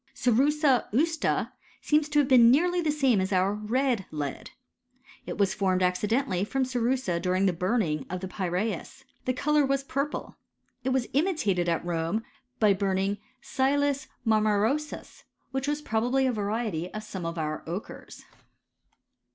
v Cerussa usta seems to have been nearly the same as m,fy our red lead. It was formed accidentally from cerussi^ ^ during the burning of the Pyrseus. The colour was purple. It was imitated at Rome by burning silig ..■jM CHBMT8TBY (» THB AWCIBSTS, 73 ', which was probably a variety of some of our ochres.